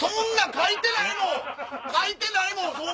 書いてないもん